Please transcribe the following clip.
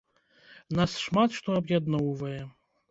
Нас шмат што аб'ядноўвае.